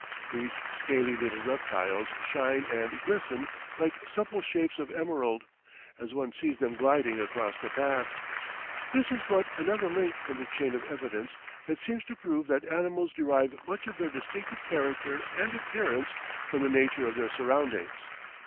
These scaly little reptiles shine and glisten like supple shapes of emerald, as one sees them gliding across the path. This is but another link in the chain of evidence that seems to prove that animals derive much of their distinctive character and appearance from the nature of their surroundings.